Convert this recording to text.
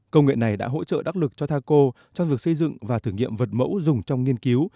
công nghệ này đã hỗ trợ đắc lực cho taco trong việc xây dựng và thử nghiệm vật mẫu dùng trong nghiên cứu